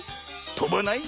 とばない？